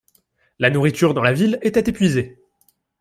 La nourriture dans la ville était épuisée.